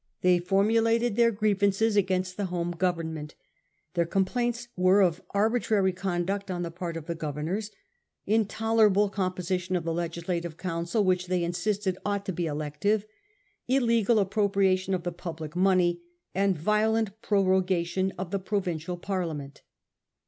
They formulated their grie vances against the home Government. Their com plaints were of arbitrary conduct on the part of the governors ; intolerable composition of the legislative council, ivhich they insisted ought to be elective; illegal appropriation of the public money ; and violent prorogation of the provincial parliament.